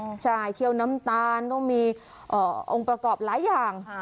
ใช่เคี่ยวน้ำตาลต้องมีองค์ประกอบหลายอย่าง